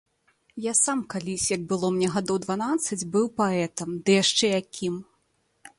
Я сам калісь, як было мне гадоў дванаццаць, быў паэтам, ды яшчэ якім!